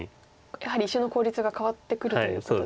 やはり石の効率が変わってくるということですか。